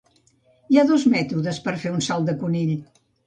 Hi ha dos mètodes per fer un salt de conill.